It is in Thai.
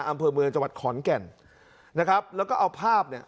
อำเภอเมืองจังหวัดขอนแก่นนะครับแล้วก็เอาภาพเนี่ย